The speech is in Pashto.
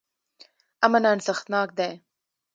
امن ارزښتناک دی.